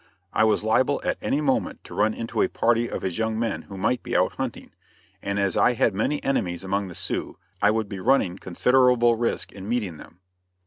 I was liable at any moment to run into a party of his young men who might be out hunting, and as I had many enemies among the Sioux, I would be running considerable risk in meeting them.